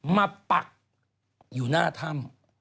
ปักอยู่หน้าถ้ำ